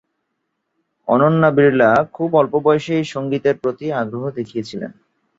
অনন্যা বিড়লা খুব অল্প বয়সেই সংগীতের প্রতি আগ্রহ দেখিয়েছিলেন।